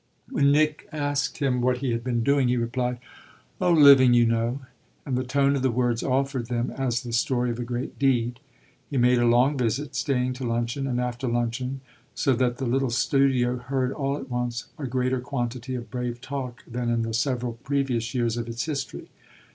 When Nick asked him what he had been doing he replied, "Oh living, you know"; and the tone of the words offered them as the story of a great deed. He made a long visit, staying to luncheon and after luncheon, so that the little studio heard all at once a greater quantity of brave talk than in the several previous years of its history.